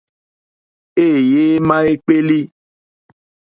Êyé émá ékpélí.